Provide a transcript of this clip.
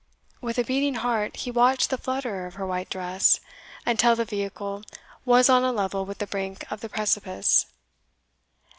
With a beating heart he watched the flutter of her white dress, until the vehicle was on a level with the brink of the precipice.